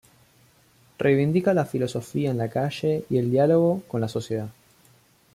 Reivindica la filosofía en la calle y el diálogo con la sociedad.